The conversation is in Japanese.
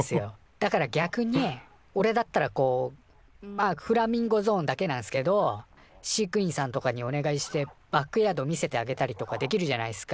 だから逆におれだったらこうまっフラミンゴゾーンだけなんすけど飼育員さんとかにお願いしてバックヤード見せてあげたりとかできるじゃないっすか。